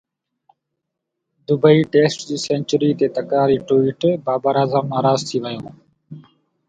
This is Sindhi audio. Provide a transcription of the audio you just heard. دبئي ٽيسٽ جي سينچري تي تڪراري ٽوئيٽ، بابر اعظم ناراض ٿي ويو